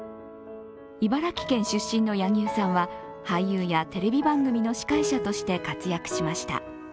茨城県出身の柳生さんは俳優やテレビ番組の司会者として活躍しました。